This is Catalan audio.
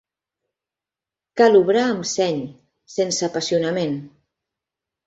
Cal obrar amb seny, sense apassionament.